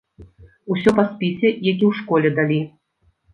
Усё па спісе, які ў школе далі.